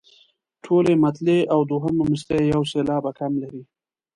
ټولې مطلعې او دوهمه مصرع یو سېلاب کم لري.